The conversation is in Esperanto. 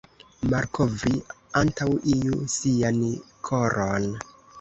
Malkovri antaŭ iu sian koron.